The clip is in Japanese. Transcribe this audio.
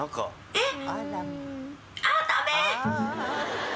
えっ！？